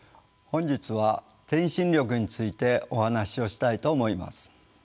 本日は「転身力」についてお話をしたいと思います。